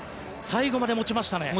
最後まで持ちましたね。